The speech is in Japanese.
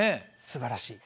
すばらしい。